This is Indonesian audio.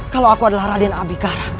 kalau aku adalah raden abikara